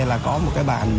là có một cái bàn